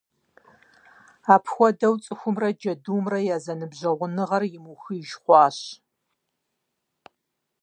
Апхуэдэу цӀыхумрэ джэдумрэ я зэныбжьэгъуныгъэр мыухыж хъуащ.